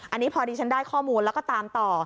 อันนี้พอดีฉันได้ข้อมูลแล้วก็ตามต่อ